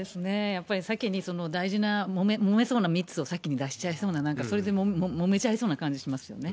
やっぱり先に大事なもめそうな３つを先に出しちゃいそうな、それでもめちゃいそうな感じしますよね。